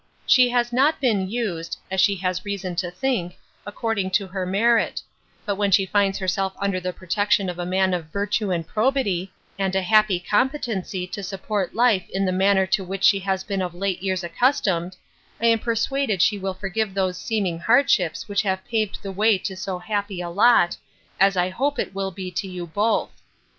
She has not been used (as she has reason to think) according to her merit; but when she finds herself under the protection of a man of virtue and probity, and a happy competency to support life in the manner to which she has been of late years accustomed, I am persuaded she will forgive those seeming hardships which have paved the way to so happy a lot, as I hope it will be to you both.